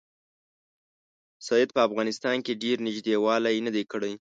سید په افغانستان کې ډېر نیژدې والی نه دی کړی.